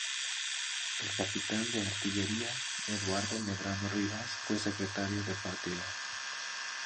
El capitán de artillería Eduardo Medrano Rivas fue secretario del partido.